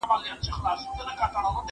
زه مخکي کتابتون ته تللی و!